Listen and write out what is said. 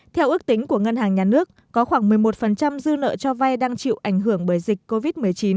theo ước tính của ngân hàng nhà nước có khoảng một mươi một dư nợ cho vay đang chịu ảnh hưởng bởi dịch covid một mươi chín